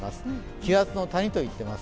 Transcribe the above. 気圧の谷といってます